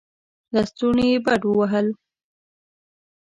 لستوڼې يې بډ ووهل.